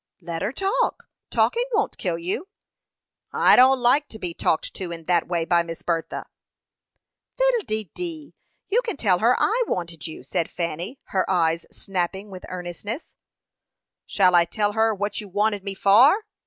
"Let her talk talking won't kill you." "I don't like to be talked to in that way by Miss Bertha." "Fiddle de dee! You can tell her I wanted you," said Fanny, her eyes snapping with earnestness. "Shall I tell her what you wanted me for?"